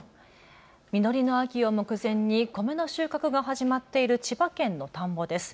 実りの秋を目前に米の収穫が始まっている千葉県の田んぼです。